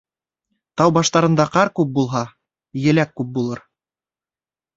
Тау баштарында ҡар күп булһа, еләк күп булыр.